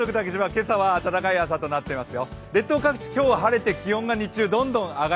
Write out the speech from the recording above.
今日は暖かい朝となっています。